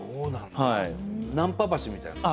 ナンパ橋みたいなとこ。